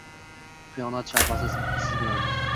Xiyonat sharpasi biz bilan